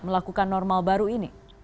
melakukan normal baru ini